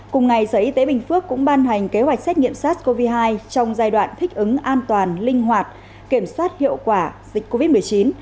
cùng ngày sở y tế bình phước cũng ban hành kế hoạch xét nghiệm sars cov hai trong giai đoạn thích ứng an toàn linh hoạt kiểm soát hiệu quả dịch covid một mươi chín